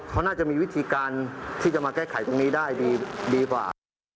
เขาน่าจะมีวิธีการที่จะมาแก้ไขตรงนี้ได้ดีกว่า